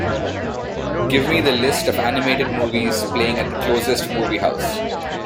Give me the list of animated movies playing at the closest movie house